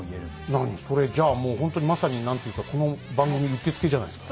何それじゃあもうほんとにまさに何ていうかこの番組うってつけじゃないですか。